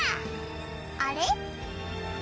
あれ？